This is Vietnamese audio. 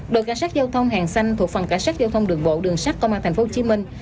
đội cảnh sát giao thông hàng xanh thuộc phòng cảnh sát giao thông đường bộ đường sát công an thành phố hồ chí minh